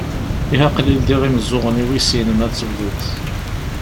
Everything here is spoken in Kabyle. Ihi aql-i ldiɣ imeẓẓuɣen-iw i sin ma ad tebduḍ.